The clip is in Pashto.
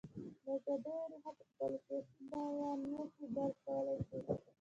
د ازادیو رېښه په خپلو سیاسي بیانیو کې درک کولای شو.